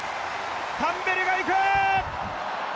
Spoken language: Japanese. タンベリがいく！